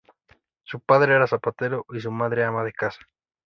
Su padre era zapatero y su madre ama de casa.